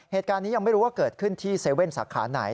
เหตุการณ์นี้ยังไม่รู้ว่าเกิดขึ้นที่๗๑๑สาขาไหน